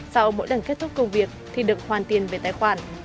sau mỗi lần kết thúc công việc thì được hoàn tiền về tài khoản